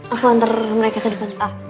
aku antar mereka ke depan